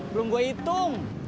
belum gue hitung